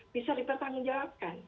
bisa dipertanggung jawabkan